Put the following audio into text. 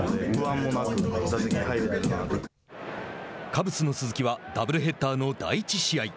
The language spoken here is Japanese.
カブスの鈴木はダブルヘッダーの第１試合。